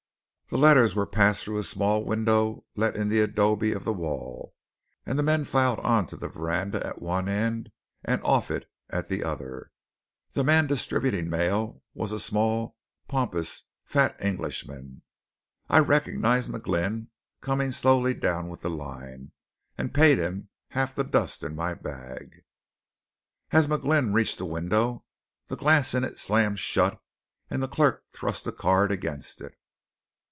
The letters were passed through a small window let in the adobe of the wall; and the men filed on to the veranda at one end and off it at the other. The man distributing mail was a small, pompous, fat Englishman. I recognized McGlynn coming slowly down with the line, and paid him half the dust in my bag. As McGlynn reached the window, the glass in it slammed shut, and the clerk thrust a card against it.